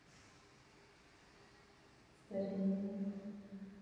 Mobilní telefony tak záhy vytlačily dosud používané klasické telefony.